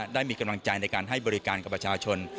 ได้มีกำลังใจในการให้บริการกับประชาชน